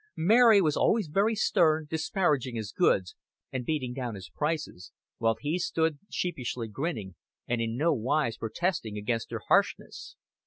Mary was always very stern, disparaging his goods, and beating down his prices; while he stood sheepishly grinning, and in no wise protesting against her harshness.